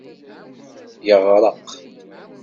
Yeɣreq.